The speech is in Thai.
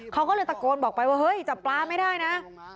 เขาก็เลยตะโกนบอกไปว่าเฮ้ยจับปลาไม่ได้นะ